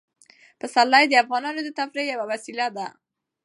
پسرلی د افغانانو د تفریح یوه وسیله ده.